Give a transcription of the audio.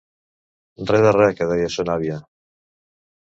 Re de re, que deia son àvia.